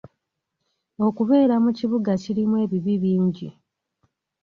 Okubeera mu kibuga kirimu ebibi bingi .